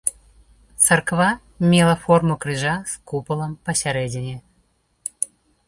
Царква мела форму крыжа з купалам пасярэдзіне.